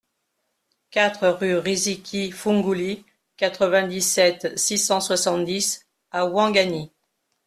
quatre rue Riziki Foungoulie, quatre-vingt-dix-sept, six cent soixante-dix à Ouangani